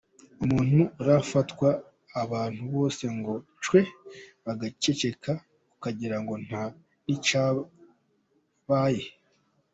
Umuntu arafatwa abantu bose ngo: “cwee “, bagaceceka ukagirango nta nicyabaye.